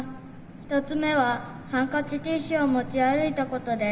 １つ目はハンカチ、ティッシュを持ち歩いたことです。